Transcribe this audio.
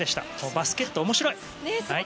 バスケット面白い！